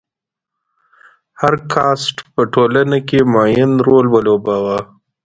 هر کاسټ په ټولنه کې معین رول ولوباوه.